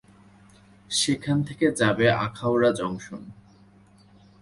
সেখান থেকে যাবে আখাউড়া জংশন।